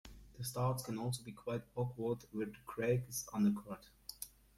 The starts can also be quite awkward where the crag is undercut.